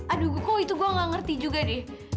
aduh kok itu gue gak ngerti juga deh